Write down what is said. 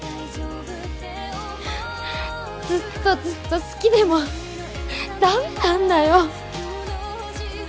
ずっとずっと好きでもダメなんだよ